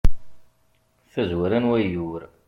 tazwara n wayyur